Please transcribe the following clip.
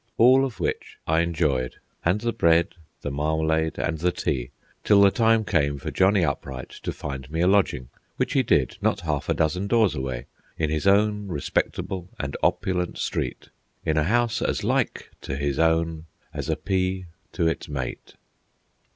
All of which I enjoyed, and the bread, the marmalade, and the tea, till the time came for Johnny Upright to find me a lodging, which he did, not half a dozen doors away, in his own respectable and opulent street, in a house as like to his own as a pea to its mate.